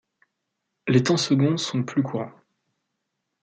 Les temps seconds sont plus courants.